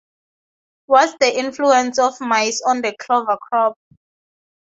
What's the influence of mice on the clover crop?